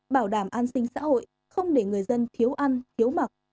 bảo đảm an sinh xã hội không để người dân thiếu ăn thiếu mặc